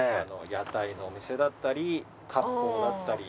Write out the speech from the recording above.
屋台のお店だったり割烹だったり。